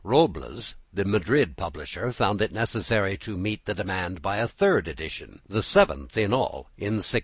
Robles, the Madrid publisher, found it necessary to meet the demand by a third edition, the seventh in all, in 1608.